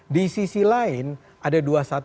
di sisi lain ada dua ratus dua belas